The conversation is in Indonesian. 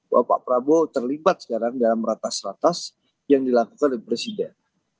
bahwa pak prabowo terlibat sekarang dalam ratas ratas yang dilakukan oleh presiden